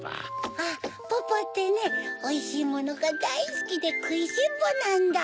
あっパパってねおいしいものがだいすきでくいしんぼうなんだ。